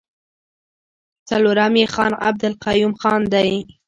څلورم يې خان عبدالقيوم خان دی.